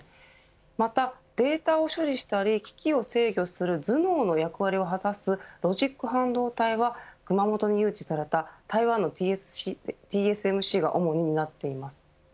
また、データを処理したり機器を制御する頭脳の役割を果たすロジック半導体は熊本に誘致された台湾のＴＳＭＣが主に担っています。